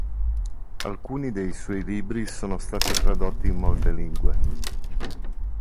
Alcuni dei suoi libri sono stati tradotti in molte lingue.